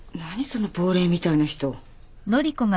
その亡霊みたいな人。